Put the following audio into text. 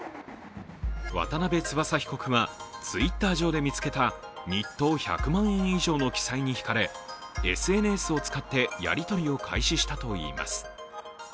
渡邉翼被告はＴｗｉｔｔｅｒ上で見つけた日当１００万円以上の記載に引かれ、ＳＮＳを使ってやり取りを開始したといいます。